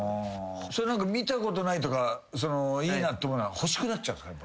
それ何か見たことないとかいいなって思うのは欲しくなっちゃうんですか？